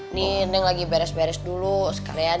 ini neng lagi beres beres dulu sekalian